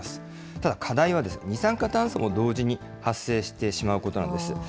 ただ課題は二酸化炭素も同時に発生してしまうことなんです。